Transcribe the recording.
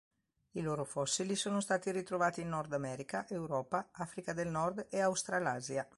I loro fossili sono stati ritrovati in Nordamerica, Europa, Africa del Nord e Australasia.